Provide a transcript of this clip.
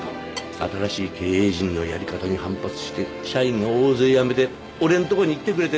新しい経営陣のやり方に反発して社員が大勢辞めて俺んとこに来てくれてね。